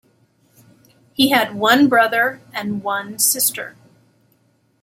He had one brother and one sister.